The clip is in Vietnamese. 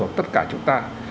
đó là tất cả chúng ta